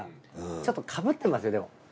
ちょっとかぶってますよでも。